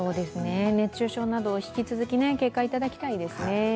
熱中症など引き続き警戒いただきたいですね。